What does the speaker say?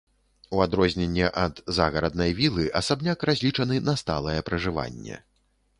У адрозненне ад загараднай вілы, асабняк разлічаны на сталае пражыванне.